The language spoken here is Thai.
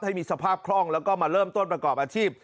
ให้มีสภาพคล่องแล้วก็มาเริ่มต้นประกอบอาชีพ